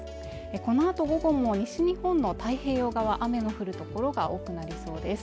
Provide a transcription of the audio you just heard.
このあと午後も西日本の太平洋側雨の降る所が多くなりそうです